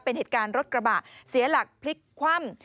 เป็นเหตุการณ์รถกระบะเสียหลักพลิกคว่ำ